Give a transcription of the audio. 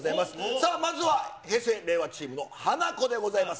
さあ、まずは平成・令和チームのハナコでございます。